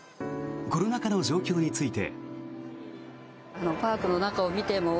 コロナ禍の状況について。